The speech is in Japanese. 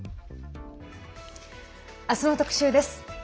明日の特集です。